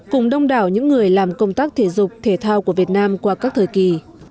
cùng đông đảo những người làm công tác thể dục thể thao của việt nam qua các thời kỳ